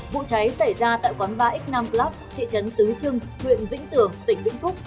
vụ cháy xảy ra tại quán bar x năm club thị trấn tứ trưng huyện vĩnh tưởng tỉnh vĩnh phúc